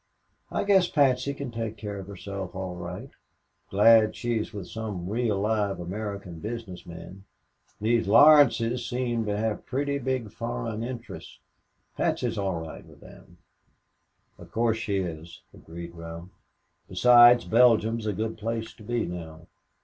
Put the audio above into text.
I guess Patsy can take care of herself all right. Glad she's with some real live American business men these Laurences seem to have pretty big foreign interests. Patsy's all right with them." "Of course she is," agreed Ralph. "Besides, Belgium's a good place to be now.